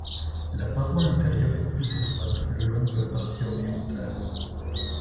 La paroi intérieure est plus étroite le long de la partie orientale.